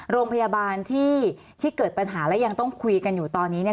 โรงพยาบาลที่เกิดปัญหาและยังต้องคุยกันอยู่ตอนนี้เนี่ย